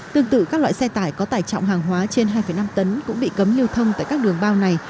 tương tự các loại xe tải có tải trọng hàng hóa trên hai năm tấn cũng bị cấm lưu thông tại các đường bao này